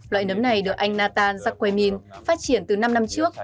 loại nấm này được anh nathan jaquemin phát triển từ năm năm trước